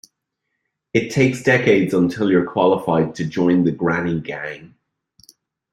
It takes decades until you're qualified to join the granny gang.